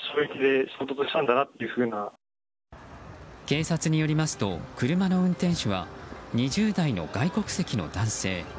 警察によりますと車の運転手は２０代の外国籍の男性。